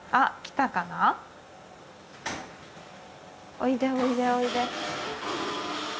おいでおいでおいで。